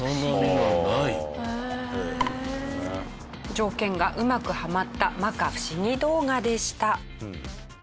条件がうまくハマった摩訶不思議動画でした。